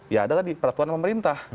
ya ada tadi peraturan pemerintah